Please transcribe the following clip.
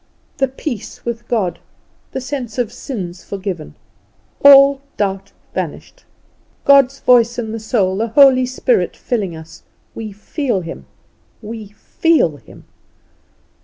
"The peace with God." "The sense of sins forgiven." All doubt vanished, God's voice in the soul, the Holy Spirit filling us! We feel Him! We feel Him!